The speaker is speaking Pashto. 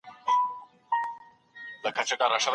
که د زوجينو تر منځ جوړجاړی ممکن نه وي څه کيږي؟